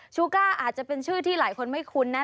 ชูก้าอาจจะเป็นชื่อที่หลายคนไม่คุ้นนะ